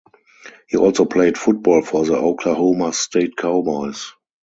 He also played football for the Oklahoma State Cowboys.